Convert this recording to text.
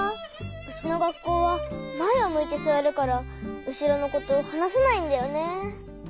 うちのがっこうはまえをむいてすわるからうしろのことはなせないんだよね。